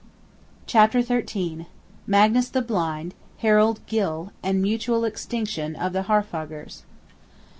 CHAPTER XIII. MAGNUS THE BLIND, HARALD GYLLE, AND MUTUAL EXTINCTION OF THE HAARFAGRS.